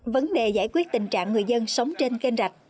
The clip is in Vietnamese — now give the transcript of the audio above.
vấn đề giải quyết tình trạng người dân sống trên kênh rạch